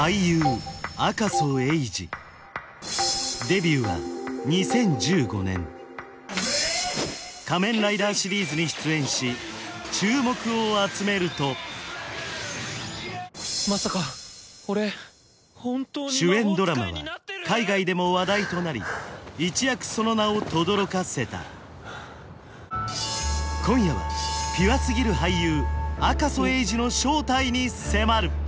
デビューは２０１５年仮面ライダーシリーズに出演し注目を集めるとまさか俺主演ドラマは海外でも話題となり一躍その名を轟かせた今夜はピュアすぎる俳優赤楚衛二の正体に迫る！